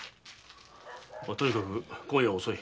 まあとにかく今夜は遅い。